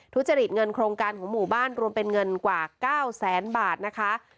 ทุจริตเงินโครงการของหมู่บ้านรวมเป็นเงินกว่า๙แสนบาทนะคะ